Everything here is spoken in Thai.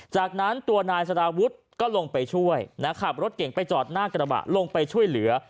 จากนั้นตัวนายสารวุฒิก็ลงไปช่วยขับรถเก่งไปจอดหน้ากระบะลงไปช่วยเหลือ